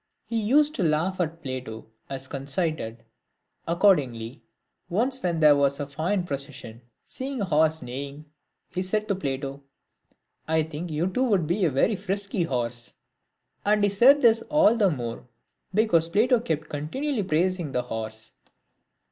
He used to laugh at Plato as conceited ; accordingly, once when there was a fine proces sion, seeing a horse neighing, he said to Plato, " I think you too would be a very frisky horse :" and he said this all the more, because Plato kept continually praising the horse.